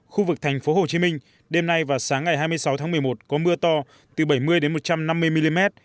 khu vực thành phố hồ chí minh đêm nay và sáng ngày hai mươi sáu tháng một mươi một có mưa to từ bảy mươi một trăm năm mươi mm